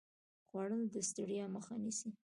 خوړل د ستړیا مخه نیسي